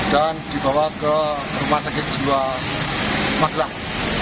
dan dibawa ke rumah sakit surojo magelang